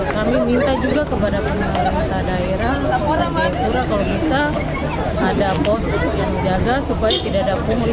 kami minta juga kepada pemerintah daerah pantura kalau bisa ada pos yang dijaga supaya tidak ada pungli